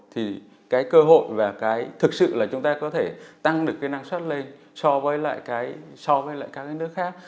thì cái cơ hội và cái thực sự là chúng ta có thể tăng được cái năng suất lên so với lại các nước khác